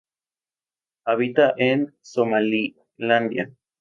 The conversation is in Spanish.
Habita en Somalilandia.